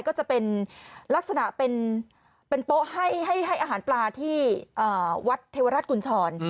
ก็จะเป็นลักษณะเป็นโป๊ะให้อาหารปลาที่วัดเทวรัฐกุญชร